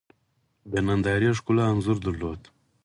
د نندارې ښکلا انځور درلود.